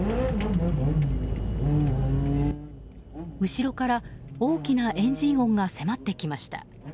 後ろから大きなエンジン音が迫ってきました。